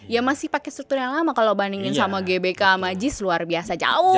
ya masih pake strukturnya lama kalo bandingin sama gbk sama jis luar biasa jauh